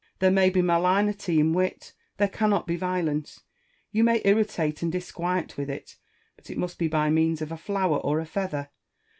There may be malignity in wit, there cannot be violence. You may irritate and disquiet with it ; but it must be by means of a flower or a feather.